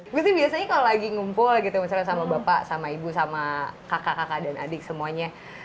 gue sih biasanya kalau lagi ngumpul gitu misalnya sama bapak sama ibu sama kakak kakak dan adik semuanya